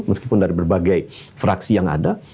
meskipun dari berbagai fraksi yang ada